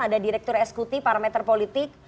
ada direktur eskuti parameter politik